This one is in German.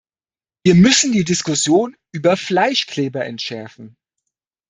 Wir müssen die Diskussion über Fleischkleber entschärfen.